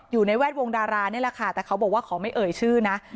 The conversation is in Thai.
อยู่ในแวดวงดารานี่แหละค่ะแต่เขาบอกว่าขอไม่เอ่ยชื่อนะ